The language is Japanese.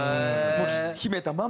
もう秘めたまま。